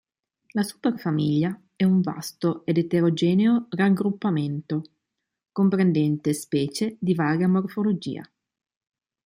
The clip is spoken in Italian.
La superfamiglia è un vasto ed eterogeneo raggruppamento, comprendente specie di varia morfologia.